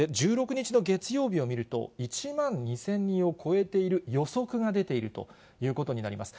１６日の月曜日を見ると、１万２０００人を超えている予測が出ているということになります。